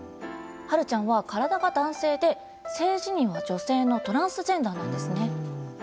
ハルちゃんは体が男性で性自認は女性のトランスジェンダーなんですね。